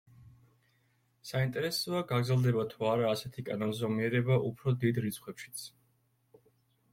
საინტერესოა გაგრძელდება თუ არა ასეთი კანონზომიერება უფრო დიდ რიცხვებშიც.